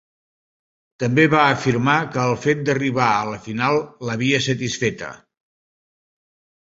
També va afirmar que el fet d'arribar a la final l'havia satisfeta.